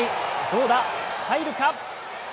どうだ入るか？